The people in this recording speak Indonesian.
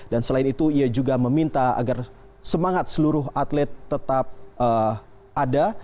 dan selain itu ia juga meminta agar semangat seluruh atlet tetap ada